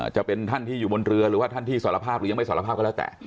จะเป็นท่านที่อยู่บนเรือหรือว่าท่านที่สารภาพหรือยังไม่สารภาพก็แล้วแต่